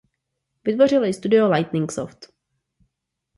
Vytvořilo ji studio Lightning Soft.